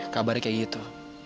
kabarnya kayak gitu